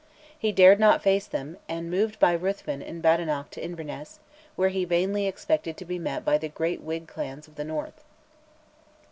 He dared not face them, and moved by Ruthven in Badenoch to Inverness, where he vainly expected to be met by the great Whig clans of the north.